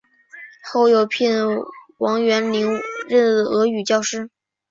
后又聘王元龄任俄语教师。